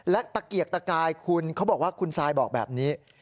และตะเกียกตะกายคุณเขาบอกว่าคุณซายบอกแบบนี้